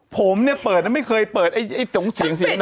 ผมเนี่ยเปิดแล้วไม่เคยเปิดไอ้ตุ๋งเสียงสิบนัน